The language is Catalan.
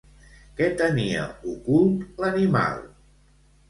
Què tenia ocult l'animal?